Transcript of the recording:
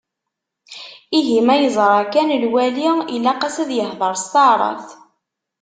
Ihi ma yeẓra kan lwali, ilaq-as ad yehder s taɛrabt?